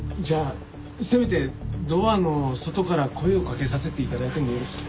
じゃあせめてドアの外から声をかけさせて頂いても。